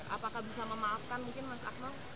apakah bisa memaafkan mungkin mas akmal